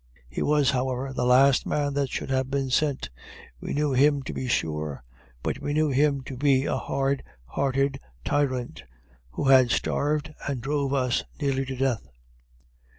He was, however, the last man that should have been sent; we knew him to be sure, but we knew him to be a hard hearted tyrant, who had starved and drove us nearly to death.